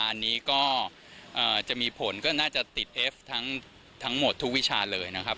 อันนี้ก็จะมีผลก็น่าจะติดเอฟทั้งหมดทุกวิชาเลยนะครับ